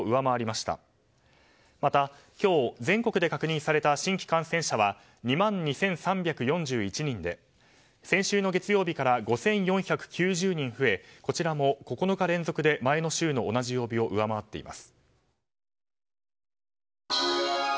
また今日、全国で確認された新規感染者は２万２３４１人で先週の月曜日から５４９０人増えこちらも９日連続で前の週の同じ曜日を上回っています。